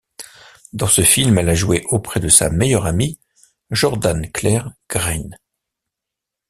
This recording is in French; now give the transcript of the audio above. Dans ce film, elle a joué auprès de sa meilleure amie, Jordan-Claire Green.